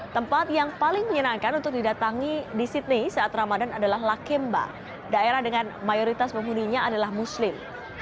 tempat yang paling menyenangkan untuk didatangi di sydney saat ramadan adalah lakemba daerah dengan mayoritas penghuninya adalah muslim